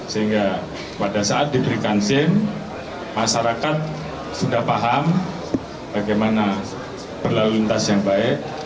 sehingga pada saat diberikan sim masyarakat sudah paham bagaimana berlalu lintas yang baik